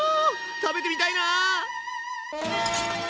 食べてみたいな。